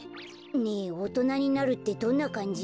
ねえおとなになるってどんなかんじ？